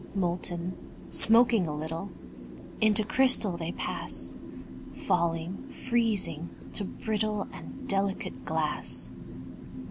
Molten, smoking a little, Into crystal they pass; Falling, freezing, to brittle And delicate glass.